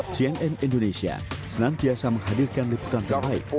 cnn indonesia senang biasa menghadirkan liputan terbaik